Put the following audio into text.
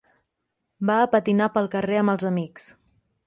Va a patinar pel carrer amb els amics.